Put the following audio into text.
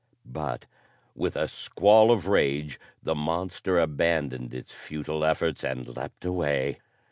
But, with a squall of rage, the monster abandoned its futile efforts and leaped away.